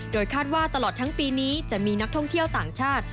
คาดว่าตลอดทั้งปีนี้จะมีนักท่องเที่ยวต่างชาติ